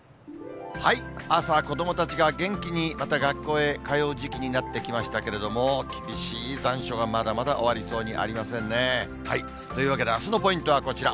朝は子どもたちが元気にまた学校へ通う時期になってきましたけれども、厳しい残暑がまだまだ終わりそうにありませんね。というわけで、あすのポイントはこちら。